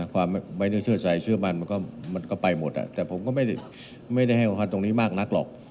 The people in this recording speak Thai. ความไม่ได้เชื่อใจเชื่อมันมันก็ไปหมดแต่ผมก็ไม่ได้ให้ความสำคัญตรงนี้มากนักหรอก